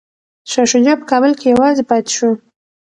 شاه شجاع په کابل کي یوازې پاتې شو.